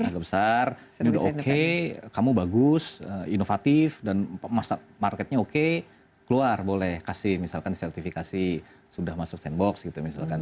agak besar ini udah oke kamu bagus inovatif dan marketnya oke keluar boleh kasih misalkan sertifikasi sudah masuk sandbox gitu misalkan